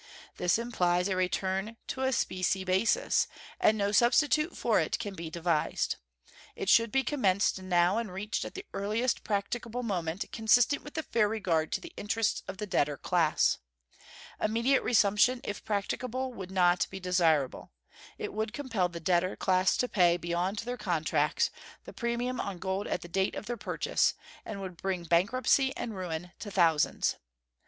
This implies a return to a specie basis, and no substitute for it can be devised. It should be commenced now and reached at the earliest practicable moment consistent with a fair regard to the interests of the debtor class. Immediate resumption, if practicable, would not be desirable. It would compel the debtor class to pay, beyond their contracts, the premium on gold at the date of their purchase, and would bring bankruptcy and ruin to thousands.